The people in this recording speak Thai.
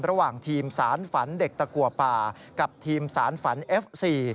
ระหว่างทีมสารฝันเด็กตะกัวป่ากับทีมสารฝันเอฟซี